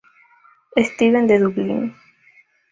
Steven de Dublín.